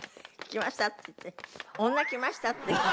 「来ました」って言って「女来ました！」って言うのよ。